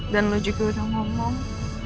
dan lo juga udah ngomong